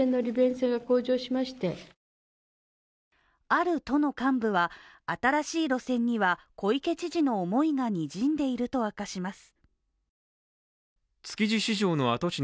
ある都の幹部は新しい路線には小池知事の思いがにじんでいると明かします。